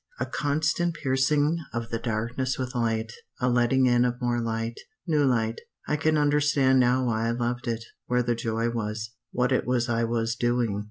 A constant piercing of the darkness with light a letting in of more light new light. I can understand now why I loved it; where the joy was; what it was I was doing.